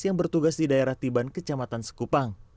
yang bertugas di daerah tiban kecamatan sekupang